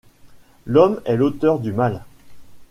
L'homme est auteur du mal.